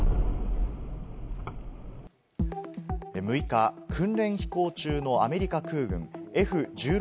６日、訓練飛行中のアメリカ空軍・Ｆ１６